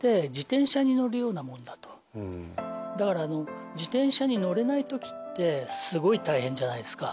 だから自転車に乗れないときってすごい大変じゃないですか。